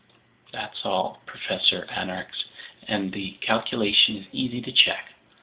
"That's all, Professor Aronnax, and the calculation is easy to check.